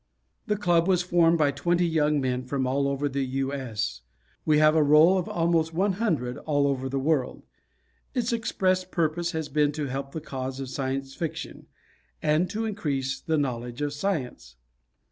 The Club was formed by twenty young men from all over the U. S. We have a roll of almost 100, all over the world. Its expressed purpose has been to help the cause of Science Fiction, and to increase the knowledge of Science.